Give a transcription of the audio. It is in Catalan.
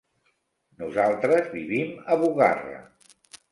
Nosaltres vivim a Bugarra.